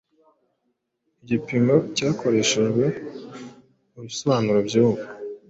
Igipimo cyakoreshejwe mubisobanuro byubu